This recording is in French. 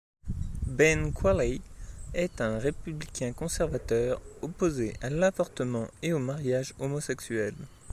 Ben Quayle est un républicain conservateur, opposé à l'avortement et au mariage homosexuel.